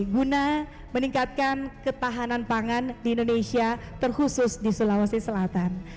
guna meningkatkan ketahanan pangan di indonesia terkhusus di sulawesi selatan